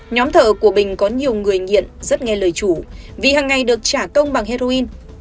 nhóm thợ của bình có nhiều người nghiện rất nghe lời chủ vì hàng ngày được trả công bằng heroin